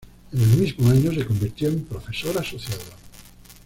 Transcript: En el mismo año se convirtió en profesor asociado.